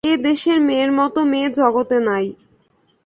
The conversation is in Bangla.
এ দেশের মেয়ের মত মেয়ে জগতে নাই।